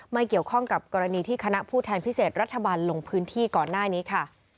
ไม่เกี่ยวข้องกับกรณีที่คณะผู้แทนพิเศษรัฐบาลลงพื้นที่ก่อนหน้านี้ค่ะ